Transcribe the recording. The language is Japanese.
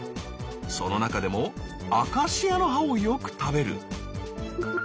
その中でもアカシアの葉をよく食べる。